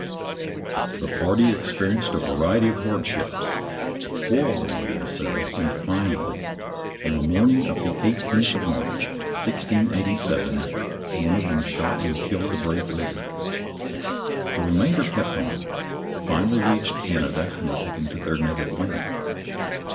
The party experienced a variety of hardships, quarrelled among themselves, and finally, on the morning of the eighteenth of March, 1687, one of them shot and killed the brave leader. The remainder kept on, finally reached Canada and were taken to their native land.